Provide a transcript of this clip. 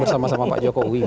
bersama sama pak jokowi